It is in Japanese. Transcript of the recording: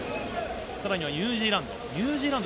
さらにはニュージーランド。